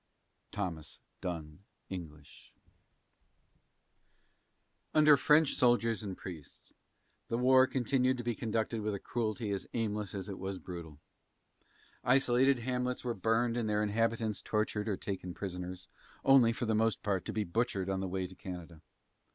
THOMAS DUNN ENGLISH. Under French officers and priests, the war continued to be conducted with a cruelty as aimless as it was brutal. Isolated hamlets were burned, and their inhabitants tortured or taken prisoners, only, for the most part, to be butchered on the way to Canada.